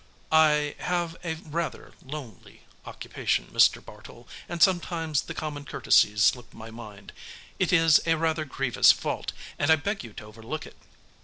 "I have a rather lonely occupation, Mr. Bartle, and sometimes the common courtesies slip my mind. It is a rather grievous fault and I beg you to overlook it.